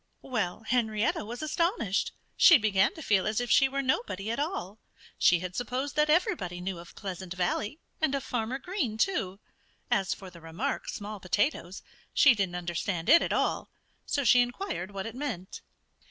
Well, Henrietta was astonished. She began to feel as if she were nobody at all. She had supposed that everybody knew of Pleasant Valley and of Farmer Green, too. As for the remark, "small potatoes," she didn't understand it at all. So she inquired what it meant.